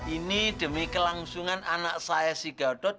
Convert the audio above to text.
ini demi kelangsungan anak saya si gadot